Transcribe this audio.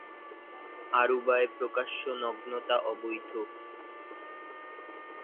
আরুবায় প্রকাশ্য নগ্নতা অবৈধ।